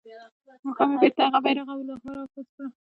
ماښام يې بيرته هغه بيرغ او لوحه راکوزه کړه.